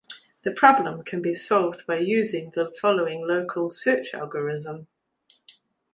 The problem can be solved using the following local search algorithm.